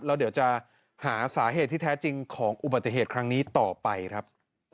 แล้วเดี๋ยวจะหาสาเหตุที่แท้จริงของอุบัติเหตุครั้งนี้ต่อไปครับ